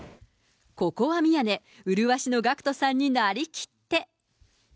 ここは宮根、麗しのＧＡＣＫＴさんになりきって。